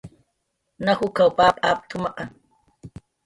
najukha papa apkta juma